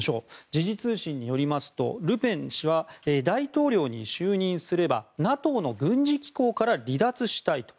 時事通信によりますとルペン氏は大統領に就任すればＮＡＴＯの軍事機構から離脱したいと。